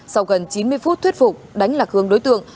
sau gần chín mươi phút thuyết phục đánh lạc hương đối tượng